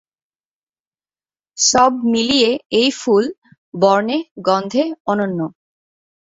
সব মিলিয়ে এই ফুল বর্ণে-গন্ধে অনন্য।